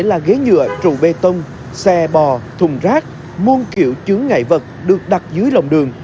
là ghế nhựa trụ bê tông xe bò thùng rác muôn kiệu chướng ngại vật được đặt dưới lòng đường